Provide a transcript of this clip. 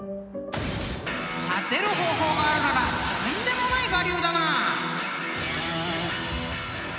［勝てる方法があるならとんでもない我流だな！］